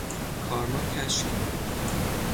کارما کشکه